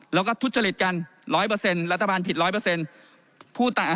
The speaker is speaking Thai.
แล้วก็ทุจริตกันร้อยเปอร์เซ็นต์รัฐบาลผิดร้อยเปอร์เซ็นต์